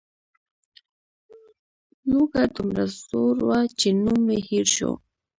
لوږه دومره زور وه چې نوم مې هېر شو.